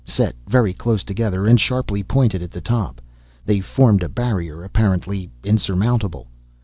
Set very close together, and sharply pointed at the top, they formed a barrier apparently insurmountable.